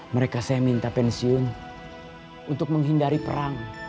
mereka saya minta pensiun untuk menghindari perang